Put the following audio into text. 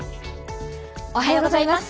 おはようございます。